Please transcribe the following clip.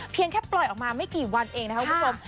แค่ปล่อยออกมาไม่กี่วันเองนะครับคุณผู้ชม